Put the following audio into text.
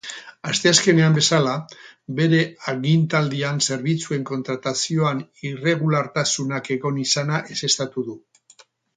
Asteazkenean bezala, bere agintaldian zerbitzuen kontratazioan irregulartasunak egon izana ezeztatu du.